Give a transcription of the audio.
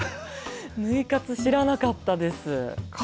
ぬい活、知らなかったです。